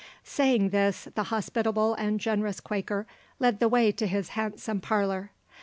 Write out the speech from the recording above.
Saying this, the hospitable and generous Quaker led the way to his handsome parlour.